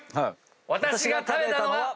私が食べたのは。